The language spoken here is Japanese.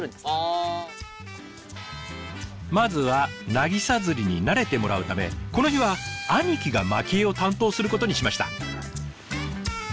まずは渚釣りに慣れてもらうためこの日は兄貴がまき餌を担当することにしました。